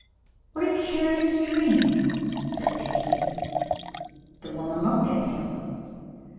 "What a curious dream!" said Dickie. The woman looked at him.